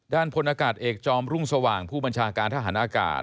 พลอากาศเอกจอมรุ่งสว่างผู้บัญชาการทหารอากาศ